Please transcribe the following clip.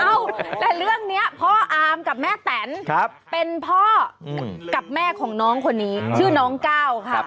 แล้วเรื่องนี้พ่ออาร์มกับแม่แตนเป็นพ่อกับแม่ของชื่อน้องก้าวค่ะ